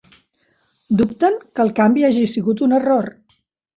Dubten que el canvi hagi sigut un error